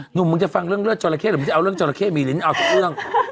มึงมึงจะฟังเรื่องเลิศจราเข้หรือมึงจะเอาเรื่องจราเข้มีลิ้นเอาทุกเรื่อง